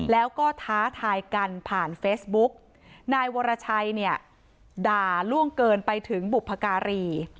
แล้วก็ท้าทายกันผ่านเฟซบุ๊กนายวรชัยเนี่ยด่าล่วงเกินไปถึงบุพการี